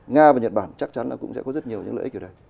nga và nhật bản chắc chắn là cũng sẽ có rất nhiều những lợi ích ở đây